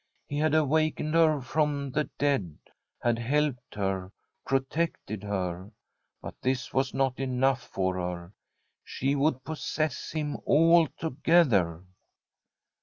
He had awakened her from the dead, had helped her, protected her. But this was not enough for her ; she would possess him altogether.